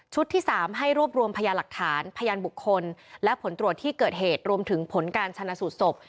ที่๓ให้รวบรวมพยาหลักฐานพยานบุคคลและผลตรวจที่เกิดเหตุรวมถึงผลการชนะสูตรศพ